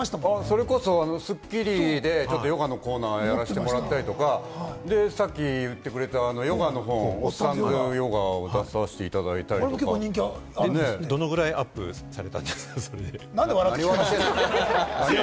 それこそ『スッキリ』でヨガのコーナーやらせてもらったりとか、さっき言ってくれたヨガの本を『おっさんずヨガ』を出させていたどのくらいアップされたんで何で笑って聞いてるんですか！